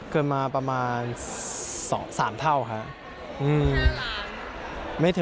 เกินมาประมาณสามเท่าค่ะ